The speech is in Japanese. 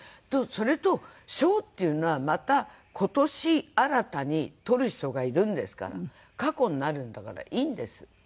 それと賞っていうのはまた今年新たにとる人がいるんですから過去になるんだからいいんです。